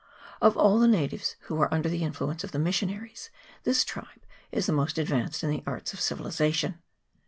Of all the natives who are under the influence of the missionaries, this tribe is the most advanced in the arts of civilization.